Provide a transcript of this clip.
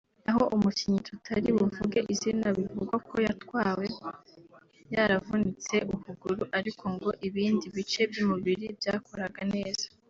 aho umukinnyi tutari buvuge izina bivugwa ko yatwawe yaravunitse ukuguru ariko ngo ibindi bice by’umubiri byakoraga neza